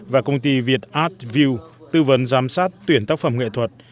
và công ty việt art view tư vấn giám sát tuyển tác phẩm nghệ thuật